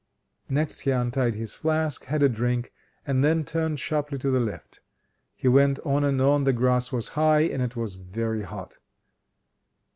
Next he untied his flask, had a drink, and then turned sharply to the left. He went on and on; the grass was high, and it was very hot.